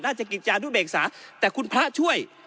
ราชกิจจานุเบกษาแต่คุณพระช่วย